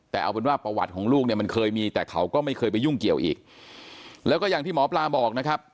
แต่เอาเป็นว่าประวัติของลูกเนี่ยมันเคยมีแต่เขาก็ไม่เคยไปยุ่งเกี่ยวอีกแล้วก็อย่างที่หมอปลาบอกนะครับ